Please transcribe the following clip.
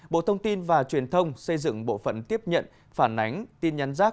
bộ thông tin và truyền thông xây dựng bộ phận tiếp nhận phản ánh tin nhắn rác